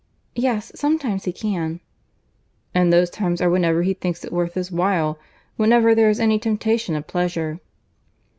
"Yes, sometimes he can." "And those times are whenever he thinks it worth his while; whenever there is any temptation of pleasure."